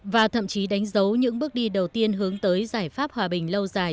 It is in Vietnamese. và thậm chí đánh dấu những bước đi đầu tiên hướng tới giải pháp hòa bình lâu dài